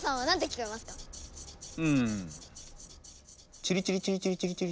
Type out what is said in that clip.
チリチリチリチリチリチリ。